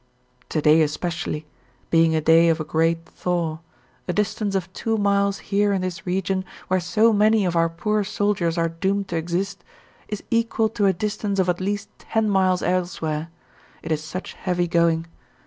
To day especially, being a day of a great thaw, a distance of two miles here in this region where so many of our poor soldiers are doomed to exist, is equal to a distance of at least ten miles elsewhere it is such heavy going.